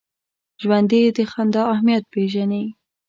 ژوندي د خندا اهمیت پېژني